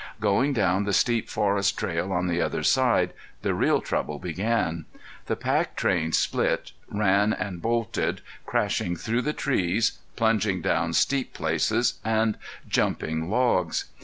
Going down the steep forest trail on the other side the real trouble began. The pack train split, ran and bolted, crashing through the trees, plunging down steep places, and jumping logs.